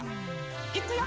いくよ。